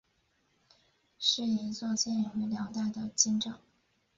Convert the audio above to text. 是一座建于辽代的经幢。